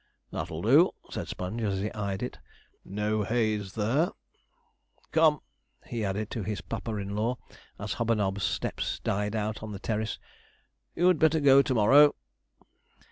'That'll do,' said Sponge, as he eyed it; 'no haze there. Come,' added he to his papa in law, as Hobanob's steps died out on the terrace, 'you'd better go to morrow.'